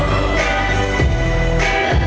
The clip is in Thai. สวัสดีครับ